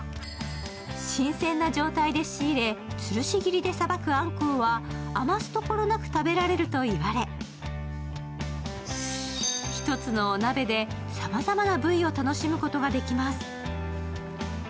新鮮な状態で仕入れ、吊るし切りでさばくあんこうは余すところなく食べられると言われ、１つのお鍋でさまざまな部位を楽しむことができます。